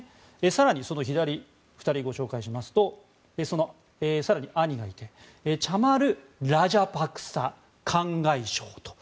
更にその左２人ご紹介しますと更に兄がいてチャマル・ラジャパクサかんがい相と。